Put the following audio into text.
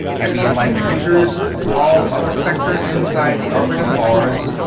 Heavy and light cruisers of all other sectors inside the orbit of Mars...."